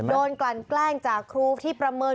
กลั่นแกล้งจากครูที่ประเมิน